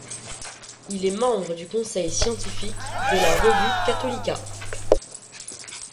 Il est membre du Conseil scientifique de la revue Catholica.